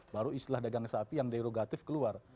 baru istilah dagang sapi yang derogatif keluar